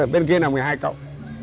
bên kia là mấy hai cậu